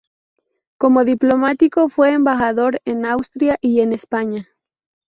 Como diplomático fue embajador en Austria y en España.